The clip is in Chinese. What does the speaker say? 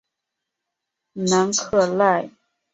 南克赖。